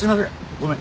ごめん。